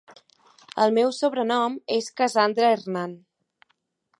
El meu sobrenom és Cassandra Hernán.